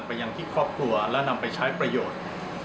ยังที่ครอบครัวและนำไปใช้ประโยชน์